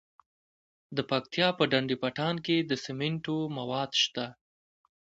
د پکتیا په ډنډ پټان کې د سمنټو مواد شته.